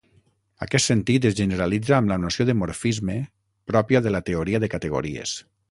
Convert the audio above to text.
Aquest sentit es generalitza amb la noció de morfisme pròpia de la teoria de categories.